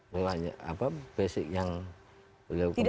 beliau hanya basic yang beliau kembangkan